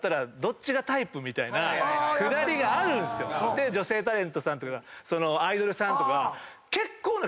で女性タレントさんとかそのアイドルさんとか。